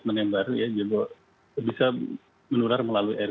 jadi bila ada seorang yang